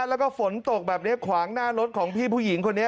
แล้วก็ฝนตกแบบนี้ขวางหน้ารถของพี่ผู้หญิงคนนี้